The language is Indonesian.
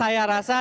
jadi saya rasa